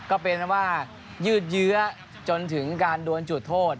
ก็เป็นว่ายืดเยื้อจนถึงการดวนจุดโทษ